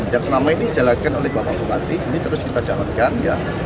yang selama ini dijalankan oleh bapak bupati ini terus kita jalankan ya